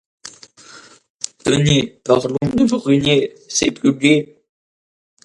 Tenez, parlons de Brunet ; c'est plus gai.